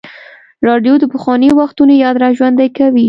راډیو د پخوانیو وختونو یاد راژوندی کوي.